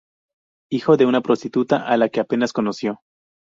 Hijo de una prostituta a la que apenas conoció.